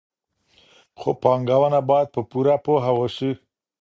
خو پانګونه باید په پوره پوهه وشي.